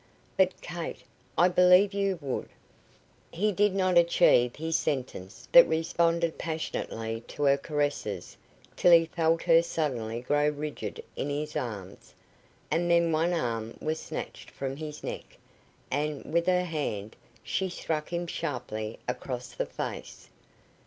"But Kate I believe you would " He did not achieve his sentence, but responded passionately to her caresses till he felt her suddenly grow rigid in his arms, and then one arm was snatched from his neck, and, with her hand, she struck him sharply across the face.